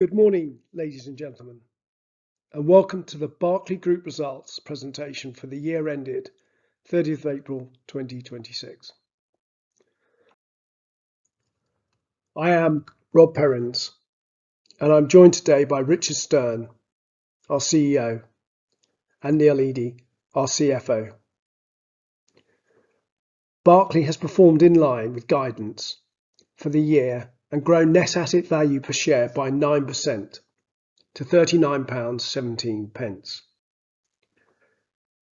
Good morning, ladies and gentlemen, and welcome to The Berkeley Group Results Presentation for the Year Ended 30th April 2026. I am Rob Perrins, I am joined today by Richard Stearn, our CEO, and Neil Eady, our CFO. Berkeley has performed in line with guidance for the year and grown net asset value per share by 9% to 39.17 pounds.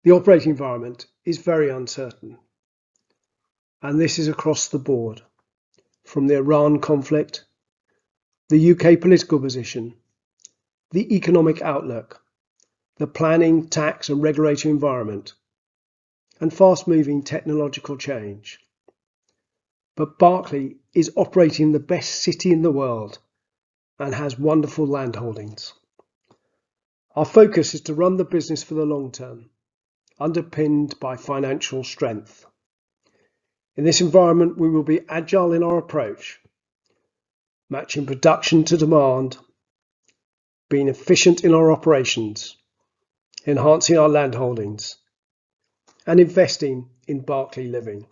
The operating environment is very uncertain, this is across the board, from the Iran conflict, the U.K. political position, the economic outlook, the planning tax and regulatory environment, and fast moving technological change. Berkeley is operating in the best city in the world and has wonderful land holdings. Our focus is to run the business for the long term, underpinned by financial strength. In this environment, we will be agile in our approach, matching production to demand, being efficient in our operations, enhancing our land holdings, and investing in Berkeley Living.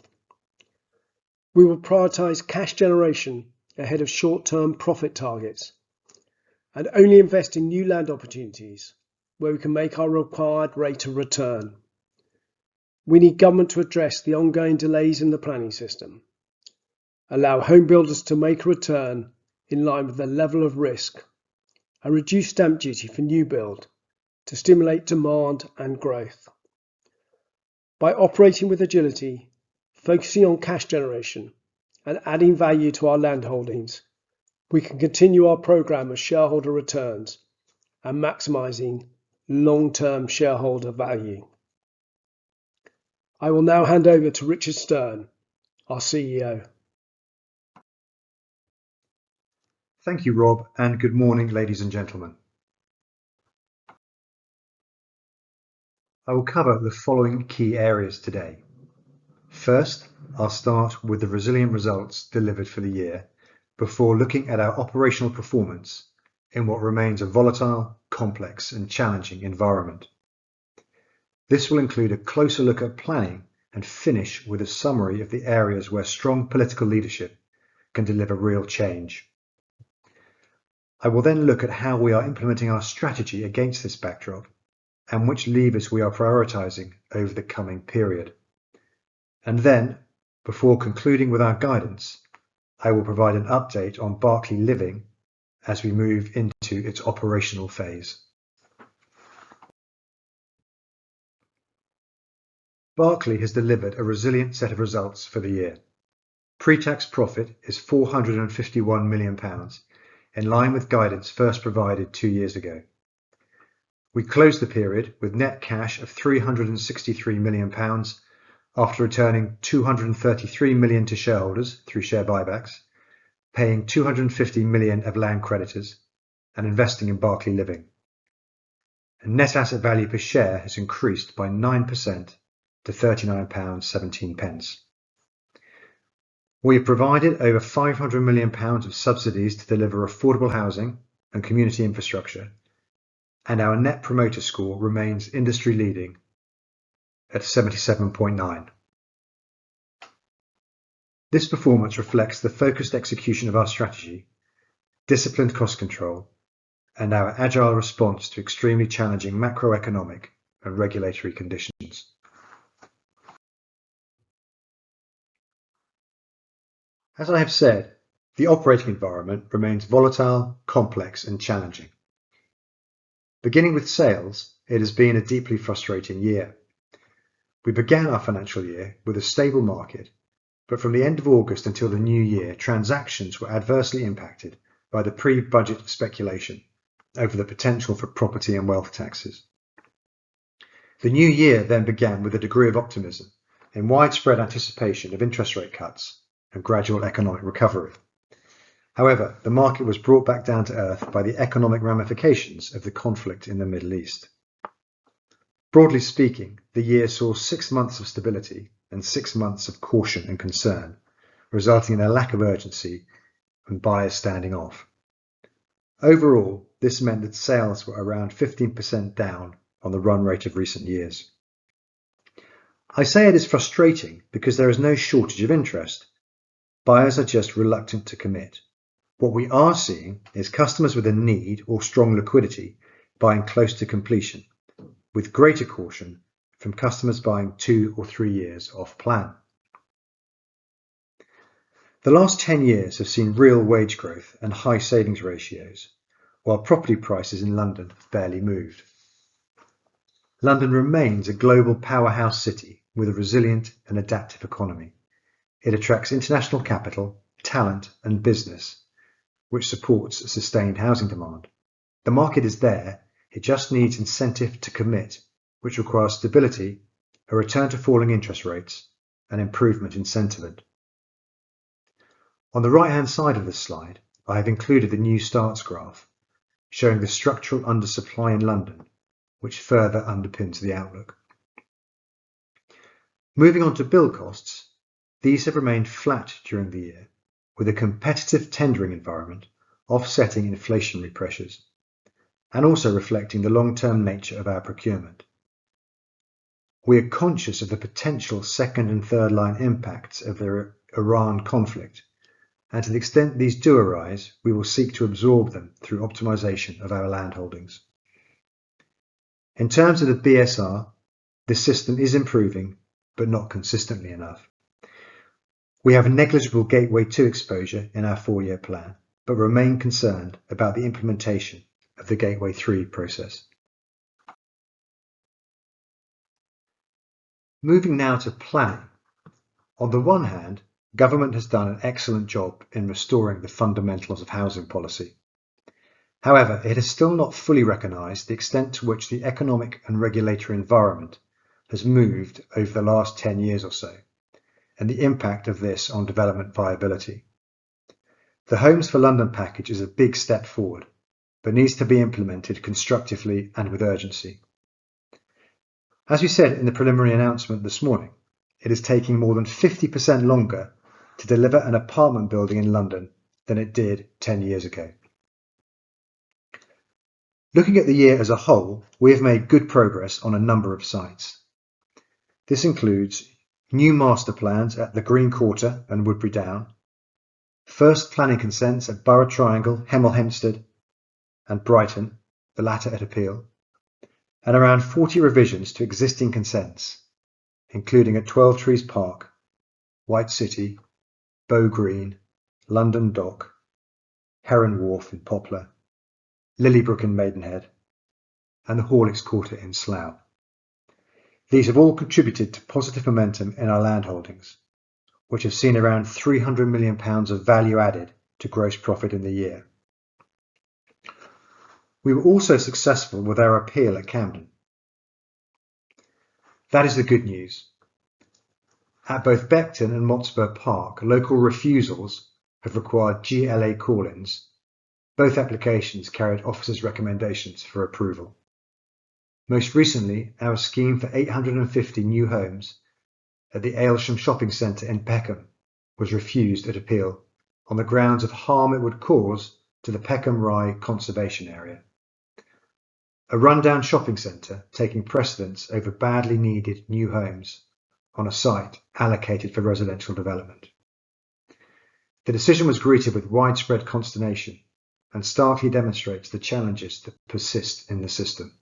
We will prioritize cash generation ahead of short term profit targets and only invest in new land opportunities where we can make our required rate of return. We need government to address the ongoing delays in the planning system, allow home builders to make a return in line with the level of risk, and reduce stamp duty for new build to stimulate demand and growth. By operating with agility, focusing on cash generation and adding value to our land holdings, we can continue our program of shareholder returns and maximizing long term shareholder value. I will now hand over to Richard Stearn, our CEO. Thank you Rob, good morning, ladies and gentlemen. I will cover the following key areas today. First, I'll start with the resilient results delivered for the year before looking at our operational performance in what remains a volatile, complex and challenging environment. This will include a closer look at planning and finish with a summary of the areas where strong political leadership can deliver real change. I will look at how we are implementing our strategy against this backdrop and which levers we are prioritizing over the coming period. Before concluding with our guidance, I will provide an update on Berkeley Living as we move into its operational phase. Berkeley has delivered a resilient set of results for the year. Pre-tax profit is 451 million pounds, in line with guidance first provided two years ago. We closed the period with net cash of 363 million pounds after returning 233 million to shareholders through share buybacks, paying 250 million of land creditors and investing in Berkeley Living. Net asset value per share has increased by 9% to 39.17 pounds. We have provided over 500 million pounds of subsidies to deliver affordable housing and community infrastructure, and our Net Promoter Score remains industry leading at 77.9. This performance reflects the focused execution of our strategy, disciplined cost control, and our agile response to extremely challenging macroeconomic and regulatory conditions. As I have said, the operating environment remains volatile, complex and challenging. Beginning with sales, it has been a deeply frustrating year. We began our financial year with a stable market, from the end of August until the new year, transactions were adversely impacted by the pre-Budget speculation over the potential for property and wealth taxes. The new year began with a degree of optimism and widespread anticipation of interest rate cuts and gradual economic recovery. However, the market was brought back down to earth by the economic ramifications of the conflict in the Middle East. Broadly speaking, the year saw six months of stability and six months of caution and concern, resulting in a lack of urgency and buyers standing off. Overall, this meant that sales were around 15% down on the run rate of recent years. I say it is frustrating because there is no shortage of interest. Buyers are just reluctant to commit. What we are seeing is customers with a need or strong liquidity buying close to completion, with greater caution from customers buying two or three years off plan. The last 10 years have seen real wage growth and high savings ratios, while property prices in London have barely moved. London remains a global powerhouse city with a resilient and adaptive economy. It attracts international capital, talent and business which supports a sustained housing demand. The market is there. It just needs incentive to commit, which requires stability, a return to falling interest rates and improvement in sentiment. On the right-hand side of this slide, I have included the new starts graph showing the structural undersupply in London, which further underpins the outlook. Moving on to build costs. These have remained flat during the year, with a competitive tendering environment offsetting inflationary pressures and also reflecting the long-term nature of our procurement. We are conscious of the potential second and third line impacts of the Iran conflict, and to the extent these do arise, we will seek to absorb them through optimization of our land holdings. In terms of the BSR, this system is improving but not consistently enough. We have a negligible Gateway 2 exposure in our four-year plan, but remain concerned about the implementation of the Gateway 3 process. Moving now to plan. On the one hand, government has done an excellent job in restoring the fundamentals of housing policy. However, it has still not fully recognized the extent to which the economic and regulatory environment has moved over the last 10 years or so, and the impact of this on development viability. The Homes for London package is a big step forward, but needs to be implemented constructively and with urgency. As we said in the preliminary announcement this morning, it is taking more than 50% longer to deliver an apartment building in London than it did 10 years ago. Looking at the year as a whole, we have made good progress on a number of sites. This includes new master plans at the Green Quarter and Woodberry Down, first planning consents at Borough Triangle, Hemel Hempstead and Brighton, the latter at appeal. Around 40 revisions to existing consents, including at Twelvetrees Park, White City, Bow Green, London Dock, Heron Wharf in Poplar, Lillibrooke in Maidenhead, and the Horlicks Quarter in Slough. These have all contributed to positive momentum in our land holdings, which have seen around 300 million pounds of value added to gross profit in the year. We were also successful with our appeal at Camden. That is the good news. At both Beckton and Motspur Park, local refusals have required GLA call-ins. Both applications carried officers' recommendations for approval. Most recently, our scheme for 850 new homes at the Aylesham Shopping Centre in Peckham was refused at appeal on the grounds of harm it would cause to the Peckham Rye conservation area. A rundown shopping center taking precedence over badly needed new homes on a site allocated for residential development. The decision was greeted with widespread consternation and starkly demonstrates the challenges that persist in the system.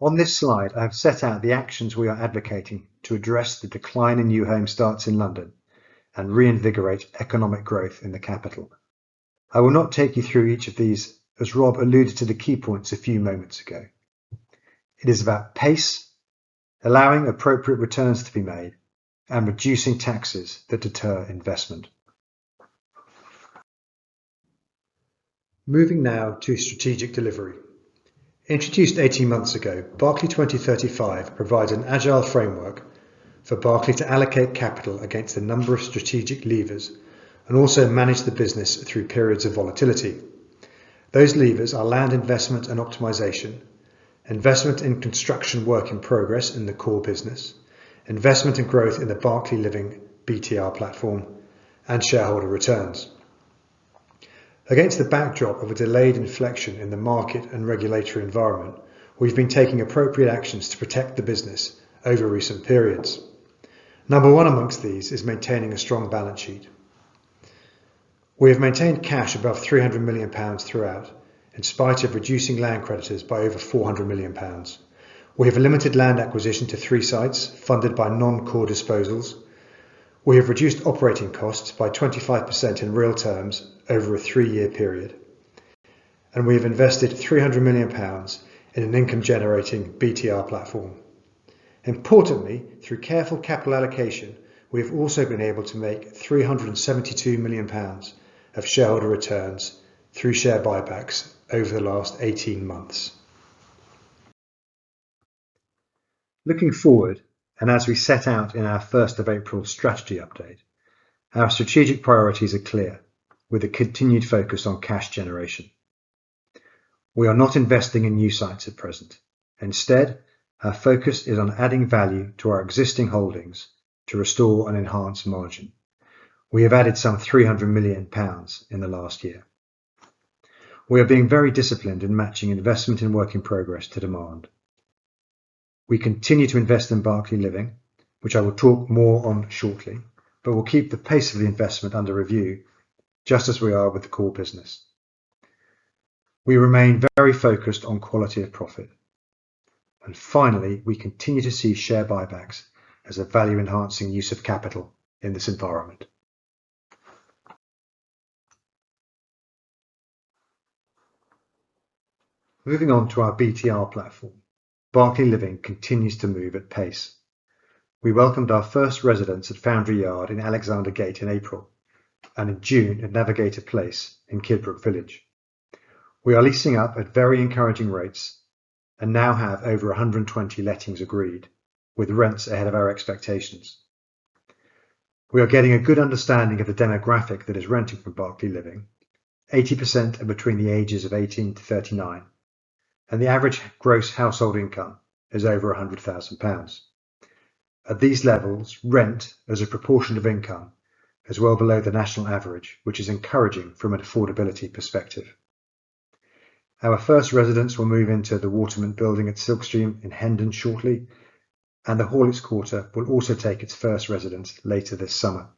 On this slide, I have set out the actions we are advocating to address the decline in new home starts in London and reinvigorate economic growth in the capital. I will not take you through each of these as Rob alluded to the key points a few moments ago. It is about pace, allowing appropriate returns to be made, and reducing taxes that deter investment. Moving now to strategic delivery. Introduced 18 months ago, Berkeley 2035 provides an agile framework for The Berkeley Group to allocate capital against a number of strategic levers and also manage the business through periods of volatility. Those levers are land investment and optimization, investment in construction work in progress in the core business, investment and growth in the Berkeley Living BTR platform, and shareholder returns. Against the backdrop of a delayed inflection in the market and regulatory environment, we've been taking appropriate actions to protect the business over recent periods. Number one amongst these is maintaining a strong balance sheet. We have maintained cash above 300 million pounds throughout, in spite of reducing land creditors by over 400 million pounds. We have limited land acquisition to three sites funded by non-core disposals. We have reduced operating costs by 25% in real terms over a three-year period, and we have invested 300 million pounds in an income generating BTR platform. Importantly, through careful capital allocation, we have also been able to make 372 million pounds of shareholder returns through share buybacks over the last 18 months. Looking forward, as we set out in our 1st of April strategy update, our strategic priorities are clear, with a continued focus on cash generation. We are not investing in new sites at present. Instead, our focus is on adding value to our existing holdings to restore and enhance margin. We have added some 300 million pounds in the last year. We are being very disciplined in matching investment and work in progress to demand. We continue to invest in Berkeley Living, which I will talk more on shortly, but we'll keep the pace of the investment under review, just as we are with the core business. We remain very focused on quality of profit. Finally, we continue to see share buybacks as a value enhancing use of capital in this environment. Moving on to our BTR platform. Berkeley Living continues to move at pace. We welcomed our first residents at Foundry Yard in Alexandra Gate in April, and in June at Navigator Place in Kidbrooke Village. We are leasing up at very encouraging rates and now have over 120 lettings agreed, with rents ahead of our expectations. We are getting a good understanding of the demographic that is renting from Berkeley Living. 80% are between the ages of 18 to 39, and the average gross household income is over 100,000 pounds. At these levels, rent as a proportion of income is well below the national average, which is encouraging from an affordability perspective. Our first residents will move into The Watermint building at Silkstream in Hendon shortly, and the Horlicks Quarter will also take its first residents later this summer.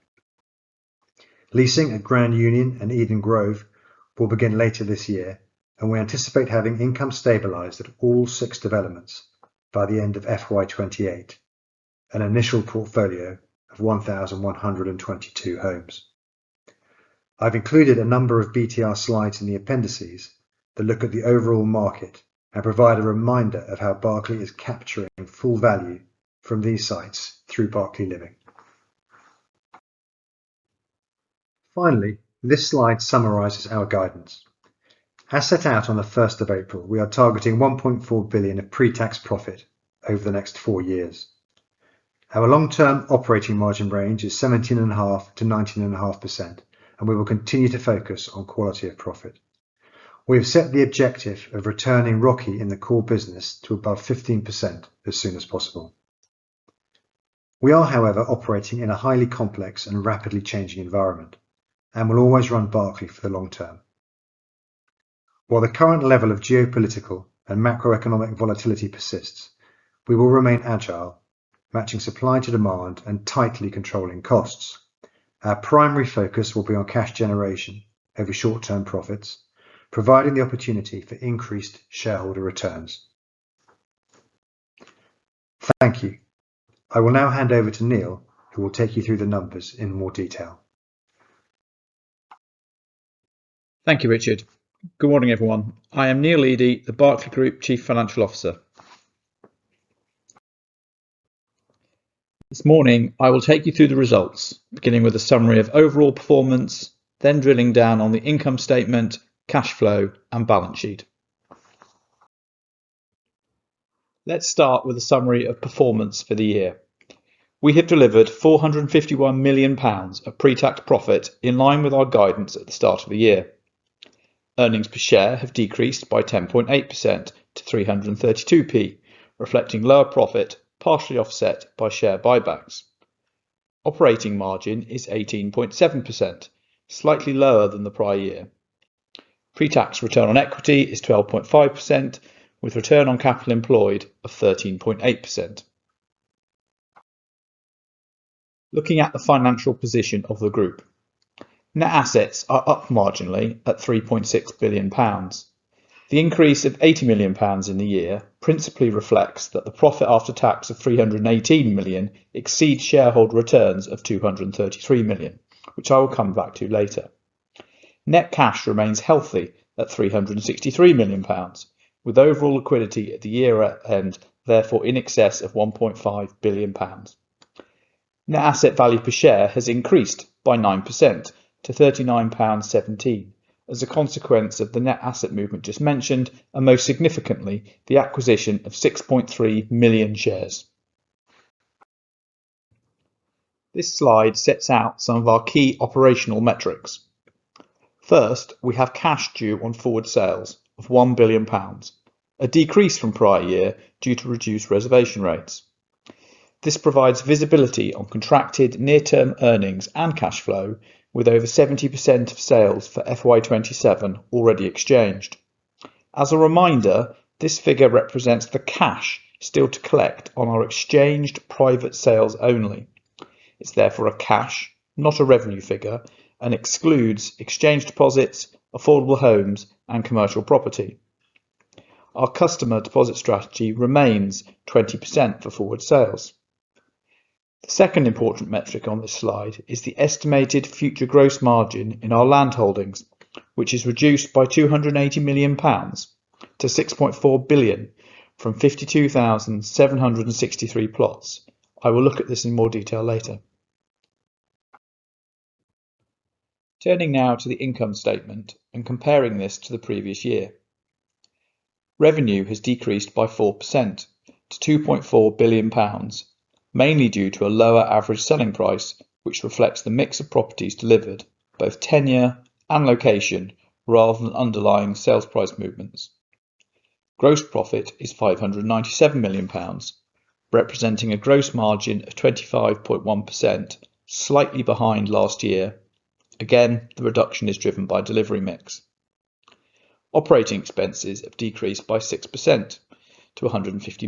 Leasing at Grand Union and Eden Grove will begin later this year. We anticipate having income stabilized at all six developments by the end of FY 2028, an initial portfolio of 1,122 homes. I have included a number of BTR slides in the appendices that look at the overall market and provide a reminder of how Berkeley is capturing full value from these sites through Berkeley Living. Finally, this slide summarizes our guidance. As set out on the 1st of April, we are targeting 1.4 billion of pre-tax profit over the next four years. Our long-term operating margin range is 17.5%-19.5%, and we will continue to focus on quality of profit. We have set the objective of returning ROCE in the core business to above 15% as soon as possible. We are, however, operating in a highly complex and rapidly changing environment and will always run Berkeley for the long term. While the current level of geopolitical and macroeconomic volatility persists, we will remain agile, matching supply to demand and tightly controlling costs. Our primary focus will be on cash generation over short-term profits, providing the opportunity for increased shareholder returns. Thank you. I will now hand over to Neil, who will take you through the numbers in more detail. Thank you, Richard. Good morning, everyone. I am Neil Eady, The Berkeley Group Chief Financial Officer. This morning, I will take you through the results, beginning with a summary of overall performance, then drilling down on the income statement, cash flow, and balance sheet. Let's start with a summary of performance for the year. We have delivered 451 million pounds of pre-tax profit in line with our guidance at the start of the year. Earnings per share have decreased by 10.8% to 3.32, reflecting lower profit, partially offset by share buybacks. Operating margin is 18.7%, slightly lower than the prior year. Pre-tax return on equity is 12.5%, with return on capital employed of 13.8%. Looking at the financial position of the group. Net assets are up marginally at 3.6 billion pounds. The increase of 80 million pounds in the year principally reflects that the profit after tax of 318 million exceeds shareholder returns of 233 million, which I will come back to later. Net cash remains healthy at 363 million pounds, with overall liquidity at the year end therefore in excess of 1.5 billion pounds. Net asset value per share has increased by 9% to 39.17 pounds as a consequence of the net asset movement just mentioned, and most significantly, the acquisition of 6.3 million shares. This slide sets out some of our key operational metrics. First, we have cash due on forward sales of 1 billion pounds, a decrease from prior year due to reduced reservation rates. This provides visibility on contracted near-term earnings and cash flow with over 70% of sales for FY 2027 already exchanged. As a reminder, this figure represents the cash still to collect on our exchanged private sales only. It's therefore a cash, not a revenue figure, and excludes exchange deposits, affordable homes, and commercial property. Our customer deposit strategy remains 20% for forward sales. The second important metric on this slide is the estimated future gross margin in our land holdings, which is reduced by 280 million pounds to 6.4 billion from 52,763 plots. I will look at this in more detail later. Turning now to the income statement and comparing this to the previous year. Revenue has decreased by 4% to 2.4 billion pounds, mainly due to a lower average selling price, which reflects the mix of properties delivered, both tenure and location rather than underlying sales price movements. Gross profit is 597 million pounds, representing a gross margin of 25.1%, slightly behind last year. Again, the reduction is driven by delivery mix. Operating expenses have decreased by 6% to 150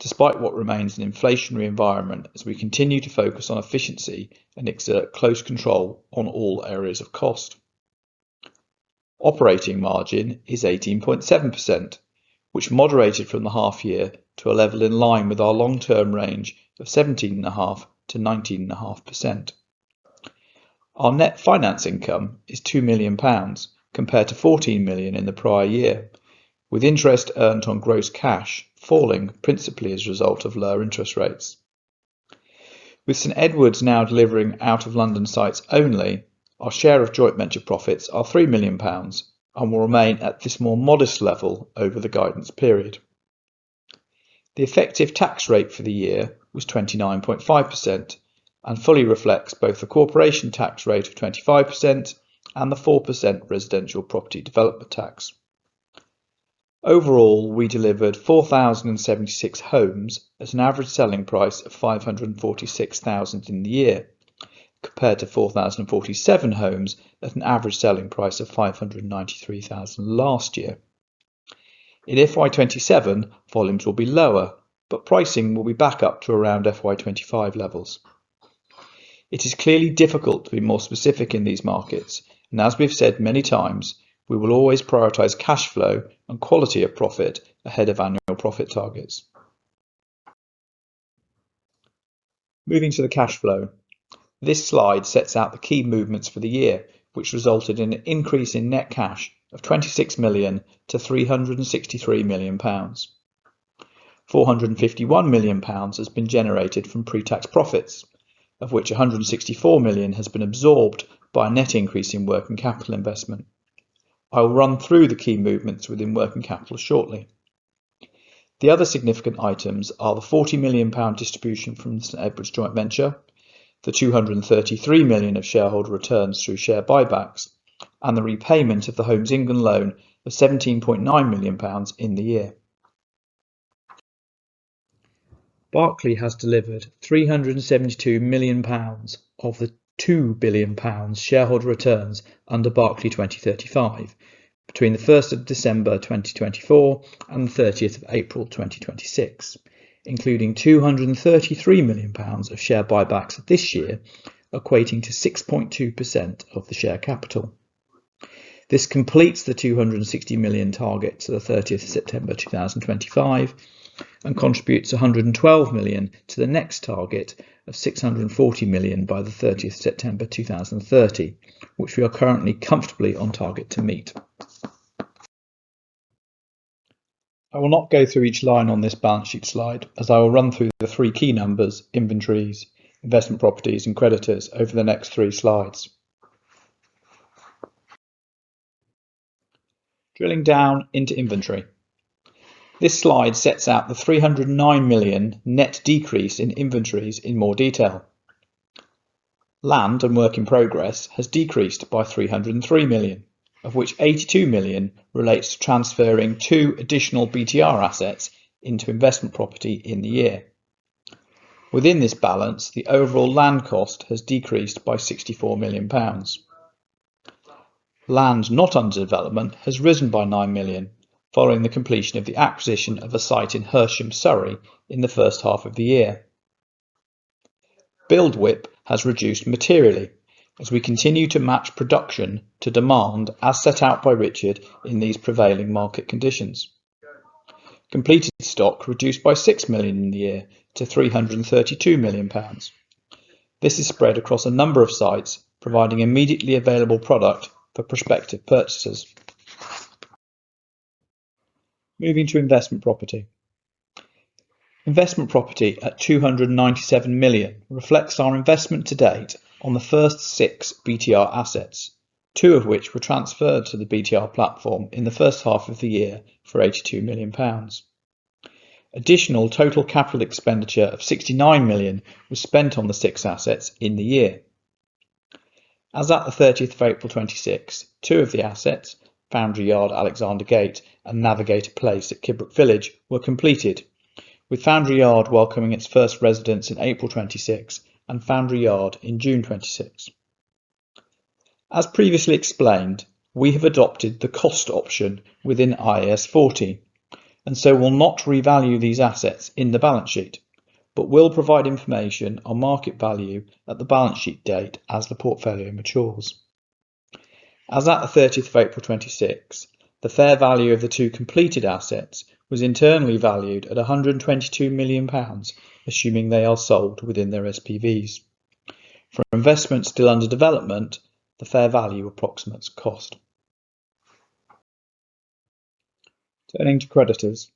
million, despite what remains an inflationary environment as we continue to focus on efficiency and exert close control on all areas of cost. Operating margin is 18.7%, which moderated from the half year to a level in line with our long-term range of 17.5%-19.5%. Our net finance income is 2 million pounds compared to 14 million in the prior year, with interest earned on gross cash falling principally as a result of lower interest rates. With St Edward now delivering out of London sites only, our share of joint venture profits are 3 million pounds and will remain at this more modest level over the guidance period. The effective tax rate for the year was 29.5% and fully reflects both the corporation tax rate of 25% and the 4% residential property development tax. Overall, we delivered 4,076 homes at an average selling price of 546,000 in the year, compared to 4,047 homes at an average selling price of 593,000 last year. In FY 2027, volumes will be lower, but pricing will be back up to around FY 2025 levels. It is clearly difficult to be more specific in these markets, and as we've said many times, we will always prioritize cash flow and quality of profit ahead of annual profit targets. Moving to the cash flow. This slide sets out the key movements for the year, which resulted in an increase in net cash of 26 million to 363 million pounds. 451 million pounds has been generated from pre-tax profits, of which 164 million has been absorbed by a net increase in working capital investment. I will run through the key movements within working capital shortly. The other significant items are the 40 million pound distribution from St Edward joint venture, the 233 million of shareholder returns through share buybacks, and the repayment of the Homes England loan of 17.9 million pounds in the year. Berkeley has delivered 372 million pounds of the 2 billion pounds shareholder returns under Berkeley 2035 between the 1st of December 2024 and the 30th of April 2026, including 233 million pounds of share buybacks this year, equating to 6.2% of the share capital. This completes the 260 million target to the 30th of September 2025 and contributes 112 million to the next target of 640 million by the 30th of September 2030, which we are currently comfortably on target to meet. I will not go through each line on this balance sheet slide as I will run through the three key numbers, inventories, investment properties, and creditors over the next three slides. Drilling down into inventory. This slide sets out the 309 million net decrease in inventories in more detail. Land and work in progress has decreased by 303 million, of which 82 million relates to transferring two additional BTR assets into investment property in the year. Within this balance, the overall land cost has decreased by 64 million pounds. Land not under development has risen by 9 million, following the completion of the acquisition of a site in Hersham, Surrey, in the first half of the year. Build WIP has reduced materially as we continue to match production to demand, as set out by Richard in these prevailing market conditions. Completed stock reduced by 6 million in the year to 332 million pounds. This is spread across a number of sites providing immediately available product for prospective purchasers. Moving to investment property. Investment property at 297 million reflects our investment to date on the first six BTR assets, two of which were transferred to the BTR platform in the first half of the year for 82 million pounds. Additional total capital expenditure of 69 million was spent on the six assets in the year. As at the 30th of April 2026, two of the assets, Foundry Yard, Alexandra Gate, and Navigator Place at Kidbrooke Village, were completed, with Foundry Yard welcoming its first residents in April 2026 and Foundry Yard in June 2026. As previously explained, we have adopted the cost option within IAS 40 and so will not revalue these assets in the balance sheet, but will provide information on market value at the balance sheet date as the portfolio matures. As at the 30th of April 2026, the fair value of the two completed assets was internally valued at 122 million pounds, assuming they are sold within their SPVs. For investment still under development, the fair value approximates cost. Turning to creditors.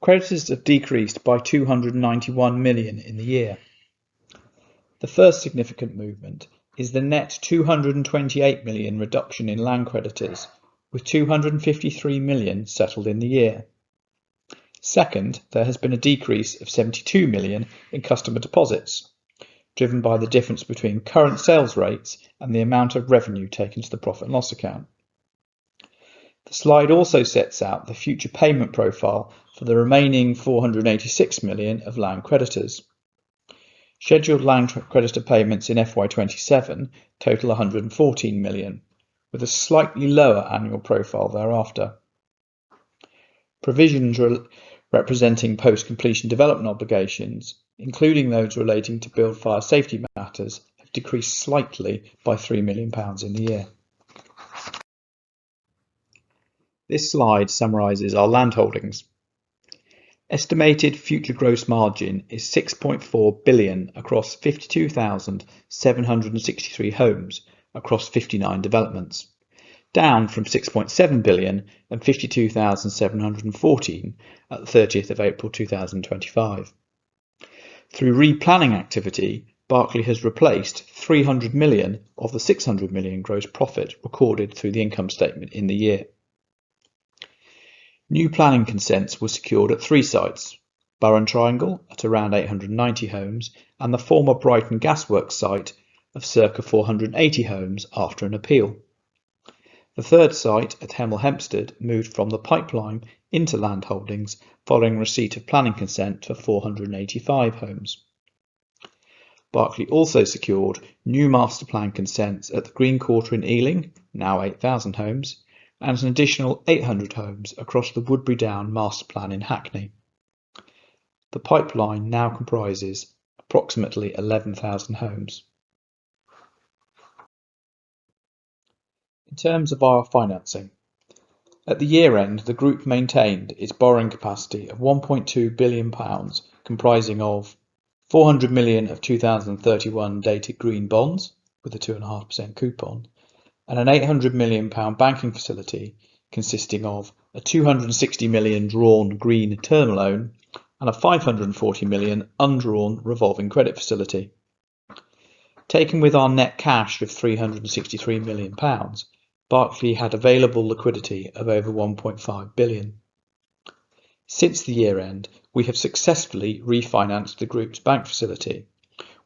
Creditors have decreased by 291 million in the year. The first significant movement is the net 228 million reduction in land creditors, with 253 million settled in the year. Second, there has been a decrease of 72 million in customer deposits, driven by the difference between current sales rates and the amount of revenue taken to the profit and loss account. The slide also sets out the future payment profile for the remaining 486 million of land creditors. Scheduled land creditor payments in FY 2027 total 114 million, with a slightly lower annual profile thereafter. Provisions representing post-completion development obligations, including those relating to build fire safety matters, have decreased slightly by 3 million pounds in the year. This slide summarizes our land holdings. Estimated future gross margin is 6.4 billion across 52,763 homes across 59 developments, down from 6.7 billion and 52,714 at the 30th of April 2025. Through replanning activity, Berkeley has replaced 300 million of the 600 million gross profit recorded through the income statement in the year. New planning consents were secured at three sites, Borough Triangle at around 890 homes and the former Brighton Gas Works site of circa 480 homes after an appeal. The third site at Hemel Hempstead moved from the pipeline into land holdings following receipt of planning consent to 485 homes. Berkeley also secured new master plan consents at the Green Quarter in Ealing, now 8,000 homes, and an additional 800 homes across the Woodberry Down master plan in Hackney. The pipeline now comprises approximately 11,000 homes. In terms of our financing, at the year end, the group maintained its borrowing capacity of 1.2 billion pounds, comprising of 400 million of 2031 dated green bonds with a 2.5% coupon and a 800 million pound banking facility consisting of a 260 million drawn green term loan and a 540 million undrawn revolving credit facility. Taken with our net cash of 363 million pounds, Berkeley had available liquidity of over 1.5 billion. Since the year end, we have successfully refinanced the group's bank facility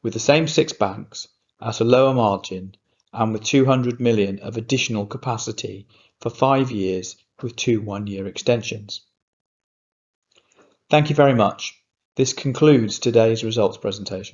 with the same six banks at a lower margin and with 200 million of additional capacity for five years with two one-year extensions. Thank you very much. This concludes today's results presentation.